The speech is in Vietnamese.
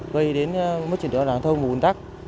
gây đến mất truyền thống và bùn tắc